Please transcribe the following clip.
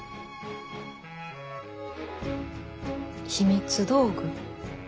秘密道具。